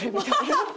ハハハハ！